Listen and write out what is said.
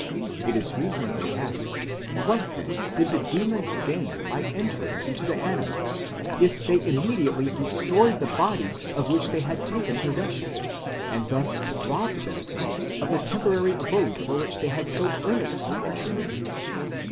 It is reasonably asked, what then did the demons gain by entering into the animals, if they immedi ately destroyed the bodies of which they had taken possession, and thus robbed themselves of the temporary abode for which they had so earnestly entreated?